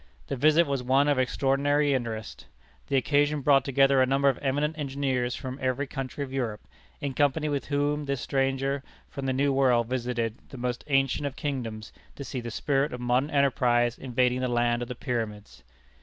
The visit was one of extraordinary interest. The occasion brought together a number of eminent engineers from every country of Europe, in company with whom this stranger from the New World visited the most ancient of kingdoms to see the spirit of modern enterprise invading the land of the Pyramids.